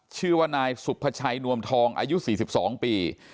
ชื่อว่านายสุภาชัยนวมทองอายุสี่สิบสองปี